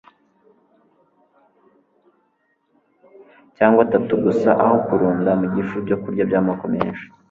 cyangwa atatu gusa aho kurunda mu gifu ibyokurya byamoko menshi